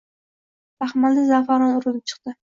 Baxmalda za’faron unib chiqdi